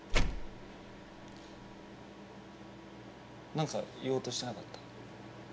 何か言おうとしてなかった？